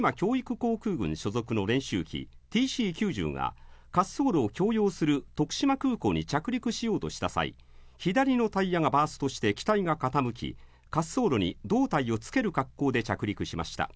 航空群所属の練習機、ＴＣー９０が、滑走路を共有する徳島空港に着陸しようとした際、左のタイヤがバーストして機体が傾き、滑走路に胴体をつける格好で着陸しました。